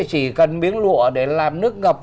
chỉ cần miếng lụa để làm nước ngập